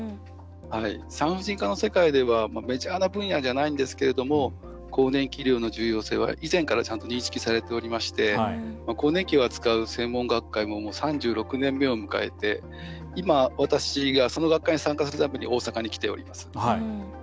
産婦人科の世界ではメジャーな分野ではないんですけど、更年期分野の重要性は、以前からちゃんと認識されていまして更年期を扱う専門学会も３６年目を迎えて今、私はその学会に参加するために大阪に来ております。